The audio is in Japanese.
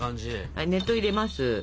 はい熱湯入れます。